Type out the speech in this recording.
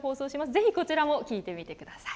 ぜひ、こちらも聴いてみてください。